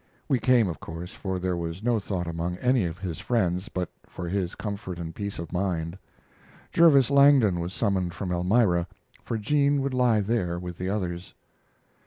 We came, of course, for there was no thought among any of his friends but for his comfort and peace of mind. Jervis Langdon was summoned from Elmira, for Jean would lie there with the others.